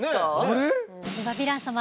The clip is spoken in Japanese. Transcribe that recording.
あれ？